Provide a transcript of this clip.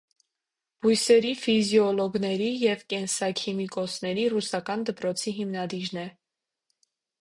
Բույսերի ֆիզիոլոգների և կենսաքիմիկոսների ռուսական դպրոցի հիմնադիրն է։